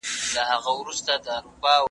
کرۍ ورځ دلته آسونه ځغلېدله